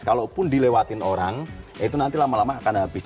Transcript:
kalaupun dilewatin orang itu nanti lama lama akan habis